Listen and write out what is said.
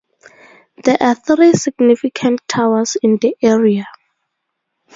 There are three significant towers in the area.